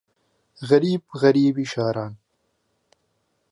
غەریب غەریبی شاران